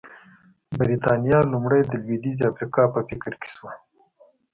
برېټانیا لومړی د لوېدیځې افریقا په فکر کې شوه.